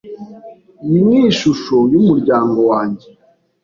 Iyi ni ishusho yumuryango wanjye.